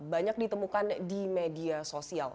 banyak ditemukan di media sosial